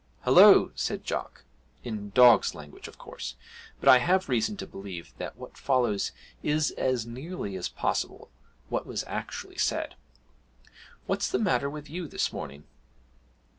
'Hullo!' said Jock (in dogs' language of course, but I have reason to believe that what follows is as nearly as possible what was actually said). 'What's the matter with you this morning?'